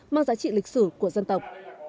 mang giá trị lịch sử của dân tộc